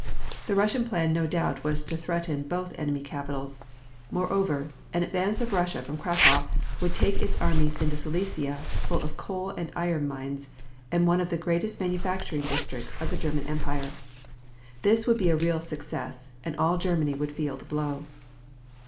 The Russian plan no doubt was to threaten both enemy capitals. Moreover, an advance of Russia from Cracow would take its armies into Silesia, full of coal and iron mines, and one of the greatest manufacturing districts in the German Empire. This would be a real success, and all Germany would feel the blow.